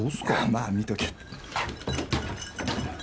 まあ見とけ。